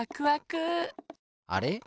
あれ？